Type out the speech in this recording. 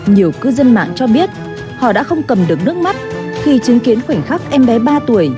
nhiều cư dân mạng cho biết họ đã không cầm được nước mắt khi chứng kiến khoảnh khắc em bé ba tuổi